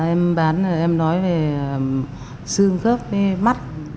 em bán em nói về xương khớp mắt